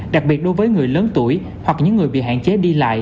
đặc biệt đối với người lớn tuổi hoặc những người bị hạn chế đi lại